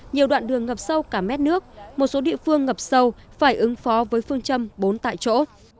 nhiều đoạn đường ngập sâu cả mét nước một số địa phương ngập sâu phải ứng phó với phương châm bốn tại chỗ